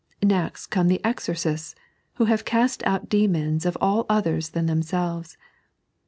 Next come the exorcists, who have cast demons out of all others than themselves.